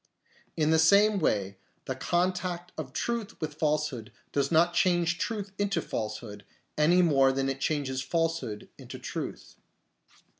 In the same way the contact of truth with falsehood does not change truth into falsehood, any more than it changes falsehood into truth.